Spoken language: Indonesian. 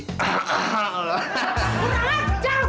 kurang ajar berani sama gue